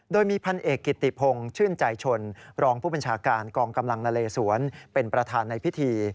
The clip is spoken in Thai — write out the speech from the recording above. โดยมีพันเอกกิติพงศ์ชื่นใจชนรองผู้บัญชาการกองกำลังนาเลสวนเป็นประธานในพิธี